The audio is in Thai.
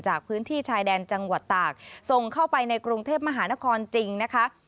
จากพื้นที่ชายแดนจังหวัดตากส่งเข้าไปในกรุงเทพมหานครจริงนะคะ